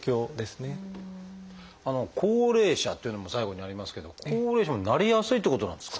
「高齢者」っていうのも最後にありますけども高齢者もなりやすいってことなんですか？